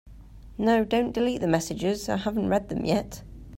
No, don’t delete the messages, I haven’t read them yet.